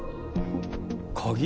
鍵？